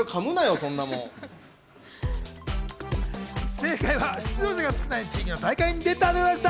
正解は、出場者が少ない地域の大会に出たでした。